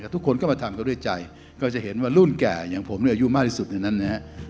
แต่ทุกคนก็มาทำเขาด้วยใจก็จะเห็นว่ารุ่นแก่อย่างผมเนี่ยอายุมากที่สุดในนั้นนะครับ